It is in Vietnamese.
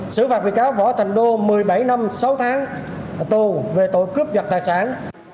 xử phạt bị cáo võ thành đô một mươi bảy năm sáu tháng tù về tội cướp giật tài sản